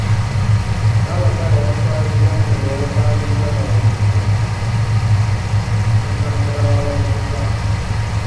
Nnabakyala yatuswaziza nnyo bwe yasangiddwa mu bwenzi ne kkansala w’abavubuka.